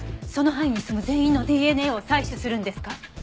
その範囲に住む全員のＤＮＡを採取するんですか？